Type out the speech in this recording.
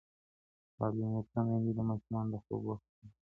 تعلیم یافته میندې د ماشومانو د خوب وخت تنظیموي.